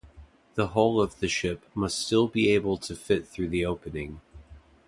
The hull of the ship must still be able to fit through the opening.